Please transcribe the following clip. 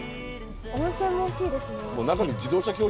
温泉も欲しいですね。